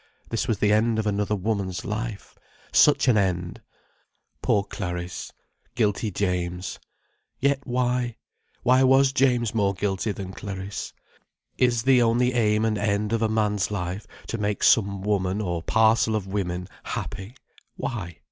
This was the end of another woman's life: such an end! Poor Clariss: guilty James. Yet why? Why was James more guilty than Clariss? Is the only aim and end of a man's life, to make some woman, or parcel of women, happy? Why?